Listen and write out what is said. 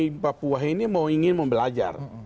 tapi papua ini ingin membelajar